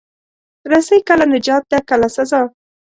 رسۍ کله نجات ده، کله سزا.